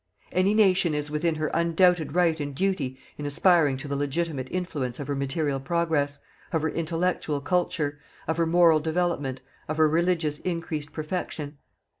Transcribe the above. Any nation is within her undoubted right and duty in aspiring to the legitimate influence of her material progress, of her intellectual culture, of her moral development, of her religious increased perfection.